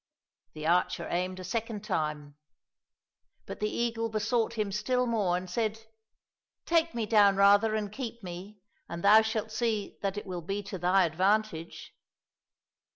" The archer aimed a second time, but the eagle besought him still more and said, " Take me down rather and keep me, and thou shalt see that it will be to thy advantage."